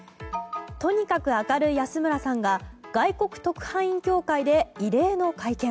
とにかく明るい安村さんが外国特派員協会で異例の会見。